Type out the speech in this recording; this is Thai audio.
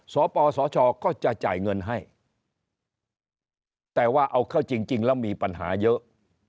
สปสชก็จะจ่ายเงินให้แต่ว่าเอาเข้าจริงแล้วมีปัญหาเยอะ